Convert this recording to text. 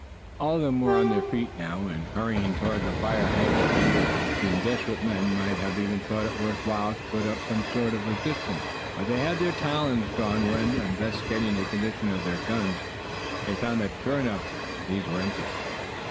All of them were on their feet, now, and hurrying toward the fire. Hank and Pierre, being desperate men, might have even thought it worth while to put up some sort of resistance; but they had their talons drawn when, upon investigating the condition of their guns, they found that, sure enough, these were empty.